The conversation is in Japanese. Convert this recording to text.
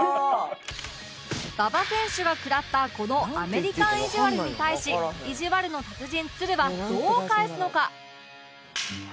馬場選手が食らったこのアメリカンいじわるに対しいじわるの達人つるはどう返すのか？